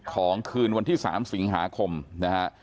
ของคืนวันที่สามสิงหาคมนะฮะ